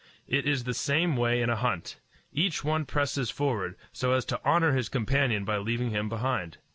It is the same way in a hunt. Each one presses forward, so as to honor his companion by leaving him behind.